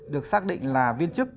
được xác định là viên chức